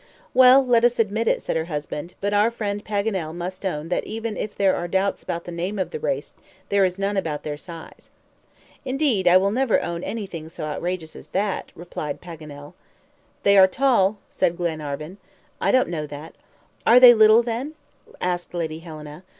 "Well, let us admit it," said her husband, "but our friend Paganel must own that even if there are doubts about the name of the race there is none about their size." "Indeed, I will never own anything so outrageous as that," replied Paganel. "They are tall," said Glenarvan. "I don't know that." "Are they little, then?" asked Lady Helena.